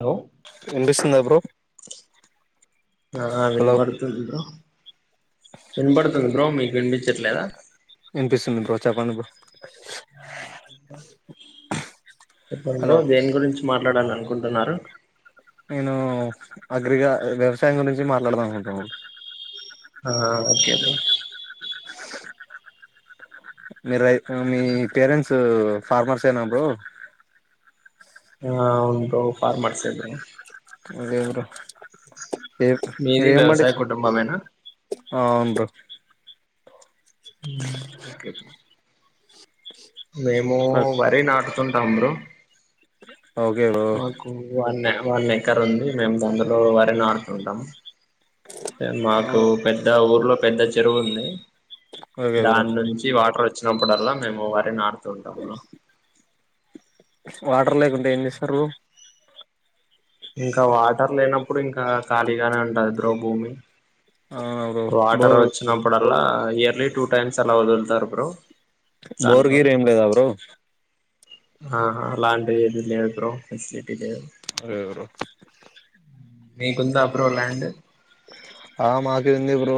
Hello ఇంపిస్తుంద bro ఆ hello విపడుతుంది బ్రో విపడుతుంది బ్రో మీకుపి చెట్లేద వినిపిస్తుంది బ్రో చెప్పండి బ్రో చెప్పండి హలో బ్రో దేని గురించి మాట్లాడలను అనుకుంటున్నారు నేను అగ్రిగా వ్యవసాయం గురించి మాట్లాడదాం అనుకుంటున్నాను ఆ ఓకే మీరు మీ పేరెంట్స్ ఫార్మర్స్ ఏనా బ్రో ఆ అవును బ్రో ఫార్మర్స్ ఏ బ్రో అదే బ్రో ఏ మీది ఇరేం మడి వ్యవసాయ కుటుంబమేనా ఆ అవును బ్రో మ్మ్ ఓకే మేము వరి నాటుతు ఉంటాం బ్రో ఇ మాకు వన్ వన్ ఎకర్ ఉంది మేము దందులో వరి నటుతుంటాము ఆ, మాకు పెద్ద ఊర్లో పెద్ద చెరువు ఉంది ఓకే బ్రో దాన్నుంచి వాటర్ ఒచ్ వచ్చినప్పుడల్లా మేము వరి నాటుతూ ఉంటాము వాటర్ లేకుంటే ఏం చేస్తరూ? ఇంకా వాటర్ లేనప్పుడు ఇంకా ఖాళీగానే ఉంటద్ బ్రో భూమి అవునా బ్రో వాటర్ బోరు ఒచ్చినప్పుడల్లా ఇయర్లీ టూ టైమ్స్ అలా వదులుతారు బ్రో బోర్ దాంట్లో గీర్ ఏం లేదా బ్రో ఆహా అలాంటివి ఏది లేదు బ్రో ఫెసిలిటీ లేదు లేదు బ్రో మీకుందా బ్రో ల్యాండ్ ఆ మాకి వుంది బ్రో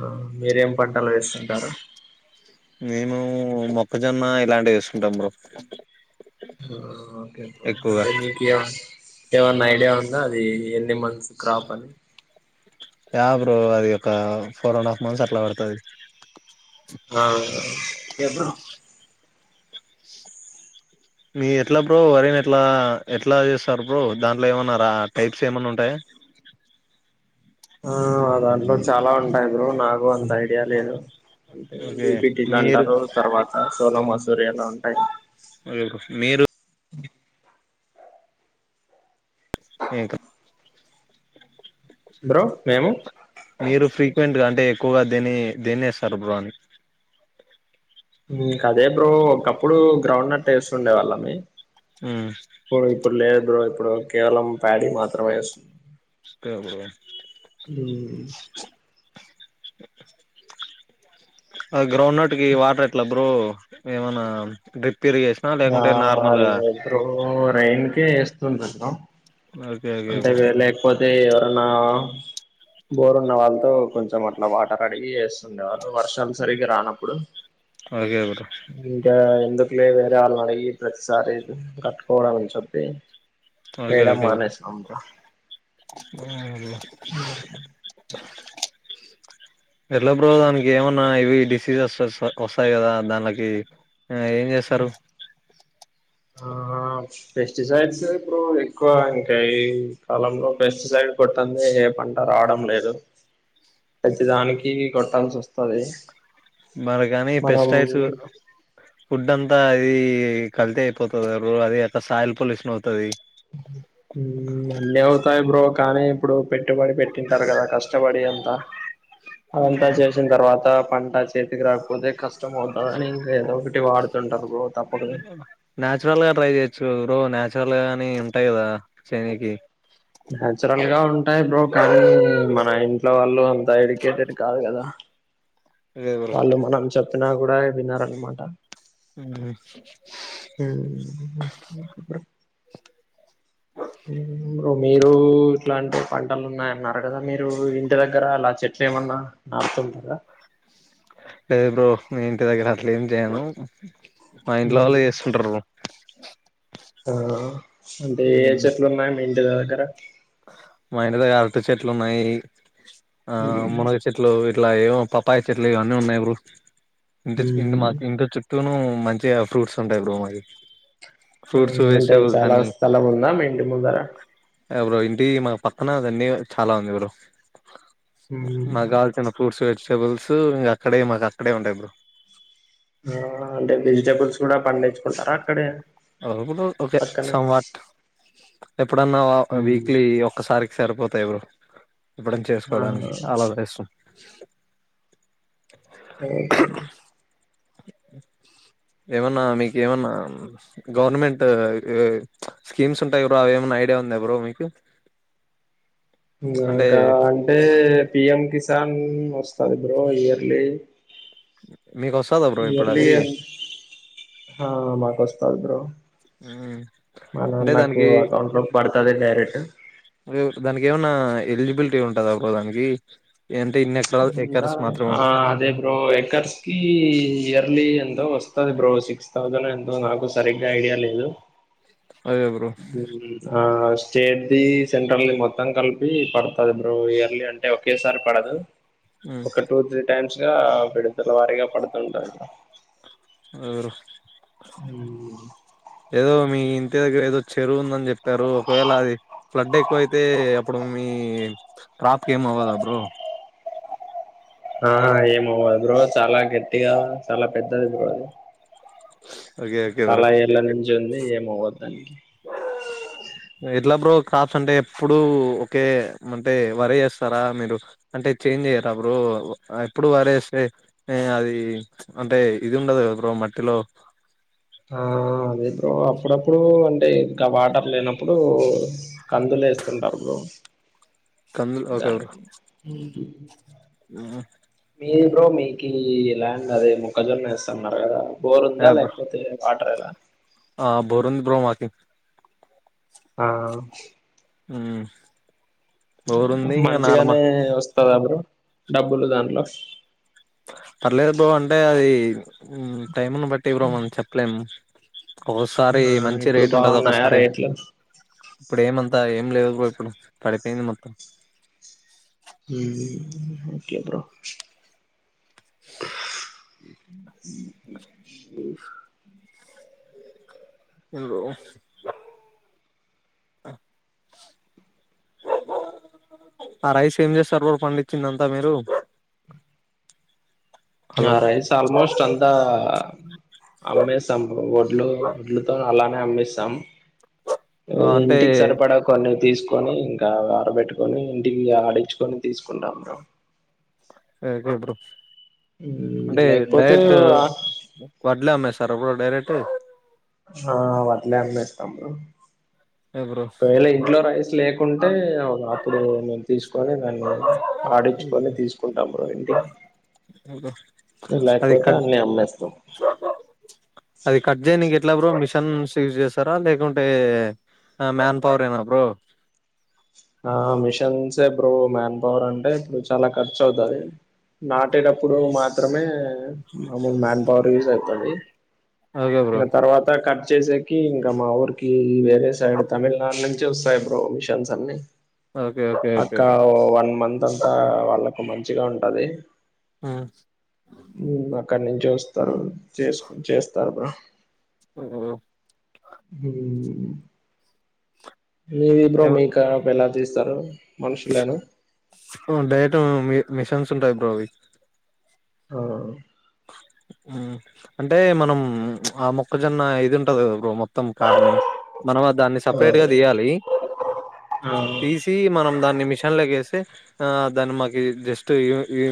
ఆ మీరేం పంటలు వేస్తుంటారు మేము మొక్కజొన్న ఇలాంటివి వేసుకుంటాం బ్రో ఆ ఓకే బ్రో ఎక్కువగా అంటే [unintelligible] ఏమన్నా ఐడియా ఉందా, అది ఎన్ని మంత్స్ క్రాప్ అని? యా బ్రో అది ఒకా ఫోర్ అండ్ హాఫ్ మంత్స్ అట్లా పడుతది అవున ఎప్పుడు బ్రో మీ ఎట్లా బ్రో వరినేట్లా ఎట్లా జెస్తారు బ్రో, దాంట్లో ఏమన్నా రా టైప్స్ ఏమన్నా ఉంటయా? ఆ దాంట్లో చాలా ఉంటాయి బ్రో, నాకు అంత ఐడియా లేదు అంటే ఓకే బీ పి టీ మీరు లంటారు తర్వాత సోన మసూరి అలా ఉంటాయి. మీరు బ ఇంక బ్రో మేము మీరు ఫ్రీక్వెంట్ గా అంటే క్కువ దేని దేన్నేస్తారు బ్రో అని ఇంకదే బ్రో, ఒకప్పుడు గ్రౌండ్ నట్టేస్తుండే వాళ్ళన్ని ఉమ్ బ్రో ఇప్పుడు లేదు బ్రో ఇప్పుడు కేవలం ప్యాడీ మాత్రమే ఎస్తున్నార్ టె బ్రో ఉమ్ అ గ్రౌండ్ నట్ కి వాటర్ ఎట్ల బ్రో, ఏమన్నా డ్రిప్ ఇరిగేషనా ఆ లేకుంటే నార్మల్గా అలెద్ బ్రో రేన్ కే ఏస్తుంరంటనా ఓకే ఓకే బ్రో తే ఎవరన్నా బోరున్న వాళ్ళతో కొంచెం అట్లా వాటర్ అడిగి ఏస్తుండే వాళ్ళు వర్షాలు సరిగా రానప్పుడు ఓకే బ్రో ఇంకా ఎందుకులే వేరే వాళ్ళనడిగి ప్రతిసారి కట్టుకోవడమ్ అన్ చెప్పి ఓకె ఓకే బ్రో ఇంకా ఉమ్ అట్ల ఉమ్ హు ఎట్ల బ్రో దానికి ఏమన్నా ఇవి డిసీజెస్ వస్త ఒస్తాయి కదా దానికి ఆ ఏం జేస్తరు ఆ పెస్ట్ సైడ్స్ ఎ బ్రో, ఇప్పుడు ఎక్కువంటే ఈ కాలంలో పెస్టిసైడ్ కొట్టందే ఏ పంట రావడం లేదు ప్రతి దానికి కొట్టాల్సోస్తది మరి కనీ పెస్టైడ్స్ ఫుడ్ అంత్ అంత అది కల్తీ అయిపోతది అది అక్క సాయిల్ పొల్యూషన్ అవుతది. మ్మ్ అన్నీ అవుతాయి బ్రో కానీ ఇప్పుడు పెట్టుబడి పెట్టింటారు కదా కష్టపడి అంతా. అదంతా చేసిన తర్వాత పంట చేతికి రాకపోతే కష్టం అవుతదని ఇంకా ఏదో ఒకట్ వాడుతుంటారు బ్రో తప్పదు నాచురల్ గా ట్రై చేయచ్ చో బ్రో నాచురల్ గాని ఉంటాయి కదా సేనుకి నచురల్గా ఉన్ టాయి బ్రో కానీ మన ఇంట్లో వాళ్ళు అంత ఎడ్యుకేటెడ్ కాదు కదా. లేదు బ్రో వాళ్ళు మనం చెప్పిన కూడా విన్నారనమాట. ఉహు ఉ ఇంకా బ్రో ఉ బ్రో మీరు ఇట్లాంటి పంటలు ఉన్నాయన్నారు కదా మీరు ఇంటి దగ్గర అలా చెట్లు ట్లు ఏమన్నా నాటుతుంటారా లేద్ బ్రో మీమ్ ఇంటి దగ్గర అట్ల ఎమ్ చేయము. మా ఇంట్లో వాళ్ళు చేస్తుంటారు బ్రో ఆ అంటే ఏ చెట్లు ఉన్నాయి మీ ఇంటి దగ్గర మా ఇంటి దగ్గర అరటి చెట్లు ఉన్నాయి ఆ మునగ చెట్లు అట్లా ఏవో పపాయి చెట్లు ఇవన్నీ ఉన్నాయి బ్రో ఇంటి చ్ ఇంటి చుట్టూ మా ఇంటి చుట్ లోను మంచిగా ఫ్రూట్స్ ఉంటాయి బ్రో మాకి. ఫ్రూట్స్ అంటే వెజిటేబుల్స్ చాలా అన్ని స్థలం ఉందా మీ ఇంటి ముందర బ్రో ఇంటి మా పక్కన దండిగా చాలా ఉంది బ్రో. మాక్ కావాల్సిన ఫ్రూట్సు వెజిటబుల్సు ఇంకా అక్కడే మాకు అక్కడే ఉంటాయి బ్రో. ఫ్రూట్స అక్కడే ఆ అపుడో ఒకే పక్కనే సమ్ వాట్ ఎప్పుడ అన్నా వీక్లీ ఒక్కసారి సరిపోతాయి బ్రో ఎప్పుడన్న ఆ చేసుకోవడానికి అలలానే ఎస్తాం. [inaudible] దే కను [inaudible] ఏమన్నా మీకు ఏమన్నా గవర్నమెంట్ చ్ స్కీమ్స్ ఉంటాయి కదా అవి ఏమన్నా ఐడియా ఉన్ ఉందా బ్రో మీకు అంటే నాకా అంటే పి ఎమ్ కిస్ తన్ వస్తది బ్రో ఇయర్లీ మీకు వస్తదా బ్రో ఇప్పుడు ఇయర్లీ అది ఆ మాకు వస్తది బ్రో మా అంటే నాన్నకు దానికి అకౌంట్ లోకి పడత్ తదా డైరెక్టు దానికి ఏమన్నా ఎలిజిబిలిటీ ఉంటుందా బ్రో దానికి. అంటే ఇన్ని ఎకరా చ్ ఎకర్స్ మాత్రం అదే బ్రో ఏకర్స్ కి ఇయర్లీ ఎంతో వస్త్ వస్తది బ్రో సిక్స్ థౌసండ్ ఎంతో నాకు సరిగ్గా ఐడియా లేదు. అదే బ్రో ఆ స్టేట్దిి సెంట్రల్ది మొత్తం కలిపి పడతది బ్రో ఇయర్లీ అంటే ఒకేసారి పడదు. ఒక టూ త్రీ టైమ్స్ గా విడతల వారీగా పడుతుంటాాది. ఆ ఏదో మీ ఇంటి దగ్గర ఏదో చెరువు ఉందని చెప్పారు, ఒకవేళ అది ఫ్లడ్ ఎక్కువైతే అప్పుడు మీ మీ క్రాప్ కి ఎమ్ అవ్వదా బ్రో ఆ ఏమ్ ఆవ్వదు బ్రో చాలా గట్టిగా చాలా పెద్దది బ్రో అది. ఓకే ఓకే బ్రో జొన్ని ఎమ్ అవ్వదు దానికి [inaudible] ఎట్లా బ్రో క్రాప్స్ అంటే ఎప్పుడు ఒకే అంటే వరే వేస్తారా మీరు. అంటే చేంజ్ చేయ్యరా బ్రో ఎప్పుడు వారే వేస్తే అది అంటే ఇది ఉండదు కాదా. బ్రో మట్టిలో ఆ అదే బ్రో అప్పుడప్పుడు అంటే ఇంకా వాటర్ లేనప్పుడు కందులు వేస్తుంటారు బ్రో కందులు ఓకే బ్రో దానికి మీ బ్రో మీకు ఈ ల్యాండ్ అదే మక్కజొన్నవెస్తంన్నారు కదా బోరు ఉందా యా బ్రో లేకపోతే వాటర్ ఎలా ఆ బోర్ ఉంది బ్రో మాకి ఆ హు మంచిగానే వస్తందా బ్రో డబ్బులు దాంట్లో పర్లేదు బ్రో అంటే అది టైంను బట్టి బ్రో మనం చెప్పలేం ఒకసారి ఆ మంచి ఇప్పుడు రేట్ ఉంటది బాగున్నాయా ఒకసారి రేట్లు ఇప్పుడు ఏము అ ఏం లేదు కూడా ఇప్పుడు పడిపోయింది మొత్తం ఓకే బ్రో హలో ఆ రైస్ ఏం చేస్తారు పండించింది అంతా మీరు ఆ హలో రైస్ ఆల్మోస్ట్ అంతా అమ్మేస్తాం బ్రో వడ్లు వడ్లుతో అలా అమేస్తాం ఆ అంటే ఇంటికి సరిపడా కొని తీసుకొని ఇంకా ఆరబెట్టుకొని ఇంటికి ఆడించుకొని తీసుకుంటాం ఓకే బ్రో అంటే లేకపోతే డైరెక్ట్డై వడ్లే అమ్మే సరే పో డైరెక్ట్ ఆ వడ్లే అమ్మేస్తాం బ్రో ఏ బ్రో ఒకేళ ఇంట్లో రైస్ లేక పో కుంటే అప్పుడు తీసుకొని దాన్ని ఆడించుకొని తీసుకుంటాము ఇంటికి అది లేకపోతే కట్ అన్నీ అమ్మేస్తాం అది కట్ చేయనికి ఎట్లా బ్రో మిషన్స్ సిజ్ చేస్తారా లేకుంటే మ్యాన్ పవర్ ఏనా బ్రో ఆ మిషన్స్ ఇప్పుడు మ్యాన్ పవర్ అంటే ఇప్పుడు చాలా ఖర్చు అవుతుది నాటేటప్పుడు మాత్రమే మామూలు మ్యాన్ పవర్ యూజ్ అవుతుంది ఓకే బ్రో ఇంకా తర్వాత కట్ చేసేకి ఇంకా మా ఊరికి వేరే సైడ్ తమిళనాడు నుంచి చూస్తాయి బ్రో మిషన్స్ అన్ని ఓకే ఓకే పక్క ఓకే వన్ మంత్ అంతంతా వాళ్ళకు మంచిగా ఉంటది ఆ మ్ అక్కడి నుంచి వస్తారు చేసుకు చేస్తారు బ్రో ఓఓ మీ వి బ్రో మీకా ఎలా తీస్తారు మనుషులేనా డైట మిషన్స్ ఉంటాయి బ్రో ఆహా అంటే మనం ఆ మొక్కజొన్న ఇది ఉంటది కదా బ్రో మొ మొత్తం కార్ని మనం దాన్ని ఆ సపరేట్ గా తీయాలి ఆ తీసి మనం దాన్ని మిషన్ల కేసి ఆ దాని మాకి జస్ట్ ఇ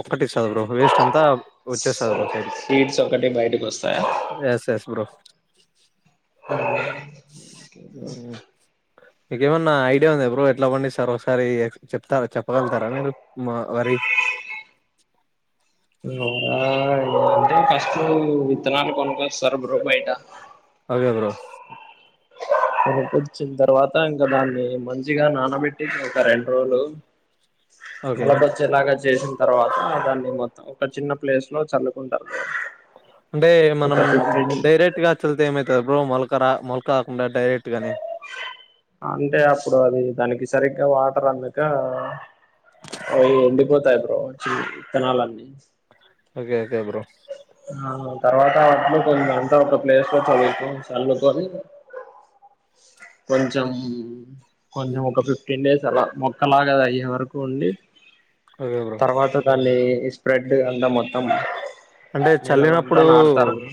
ఒక్కటి ఇస్తుంది బ్రో వేస్ట్ అంతా వచ్చేస్తాది బ్రో సైడ్ కి సీడ్స్ ఒకటి బయటకు వస్తాయా ఎస్ ఎస్ బ్రో హు మీకేమన్నా ఐడియా ఉంది ఎ బ్రో ఎట్లా పండిస్తారొ ఒకసారి చెప్తారా చెప్పగలుతారా మీరు వరి అంటే ఫస్ట్ విత్తనాలు కొనుక్కొస్తారు బ్రో బయట అవే బ్రో కొనుక్కొచ్చిన తర్వాత ఇంకా దాన్ని మంచిగా నానబెట్టింది ఒక రెండు రోజులు ఓకే మొలకొచ్చేలాగ చేసిన తర్వాత దాన్ని మొత్తం ఒక చిన్న ప్లేస్ లో చల్లుకుంటారు అంటే ఒక మనం ఫిఫ్టీన్ డైరెక్ట్ గా చళ్తే ఏమైతది బ్రో మోలక రా మొల కాకుండా డైరెక్ట్ గానే అంటే అప్పుడు అది దానికి సరిగ్గా వాటర్ అందక అవి ఎండిపోతాయి బ్రో చి విత్తనాలన్నీ ఓకే ఓకే బ్రో ఆ తర్వాత అట్లు కొ అంతా ఒక ప్లేస్ లో చల్లుకు చల్లుకొని కొంచెం కొంచెం ఒక ఫిఫ్టీన్ డేస్ అలా మొక్కలాగా అది అయ్యే వరకు ఉండి అదే బ్రో మళ్ళీ ఈ స్ప్రెడ్ అంతా మొత్తం అంటే నెలలంతా చల్లినప్పుడు నాడుతారు బ్రో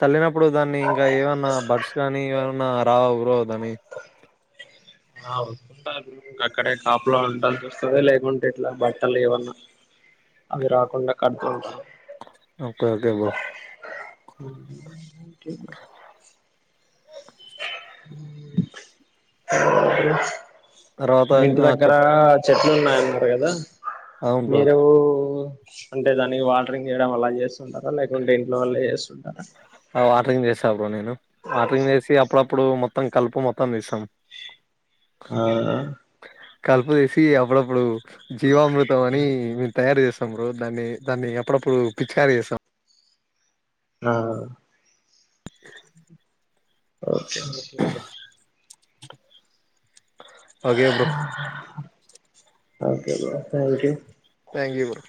చల్లినప్పుడు దాన్ని ఇంకా ఏమన్నా బర్డ్స్ గానీ ఏవన్ న్న రావ బ్రో దాని ఆ వస్తాయి ఇంకా అక్కడే కాపులా ఉండాల్సి వస్తది లేకుంటే ఇట్లా బట్టలు ఏవన్నా అవి రాకుండా కడతాం బ్రో ఒకే ఓకె బ్రో తర్వాత మీ ఇంటి ఆ దగ్గర చెప్ చెట్లు ఉన్నాయి అన్నారు కదా అవును బ్రో మీరు అంటే దానికి వాటరింగ్ చేయడం అలా చేస్తుంటారా లేకుంటే ఇంట్లో వాల్లే చేస్తుంటారా ఆ వాటరింగ్ చేస్తా బ్రో నేను వాటరింగ్ చేసి అప్పుడప్పుడు మొత్తం కలుపు మొత్తం తీసాం స ఆ కలుపు తీసి అప్పుడప్పుడు జీవామృతం అని మేము తయారు చేస్ త్త బ్రో దాన్ని దాన్ని ఎప్పుడప్పుడు పిచికారి చేస్తాం ఆ okay okay bro okay bro okay బ thank you thank you bro